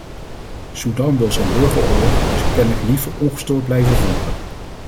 Soedan wil zijn burgeroorlog dus kennelijk liever ongestoord blijven voeren.